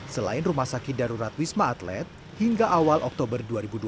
selain rumah sakit darurat wisma atlet hingga awal oktober dua ribu dua puluh